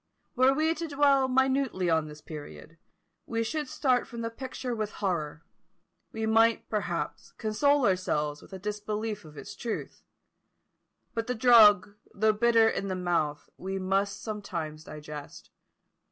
Were we to dwell minutely on this period, we should start from the picture with horror: we might, perhaps, console ourselves with a disbelief of its truth; but the drug, though bitter in the mouth, we must sometimes digest.